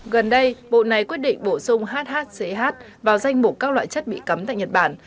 gần đây bộ này quyết định bổ sung hhch vào danh mục các loại chất bị cấm tại nhật bản